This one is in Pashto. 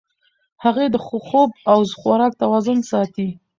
هغې د خوب او خوراک توازن ساتي.